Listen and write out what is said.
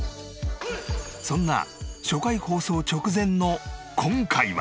そんな初回放送直前の今回は。